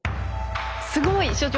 すごい所長。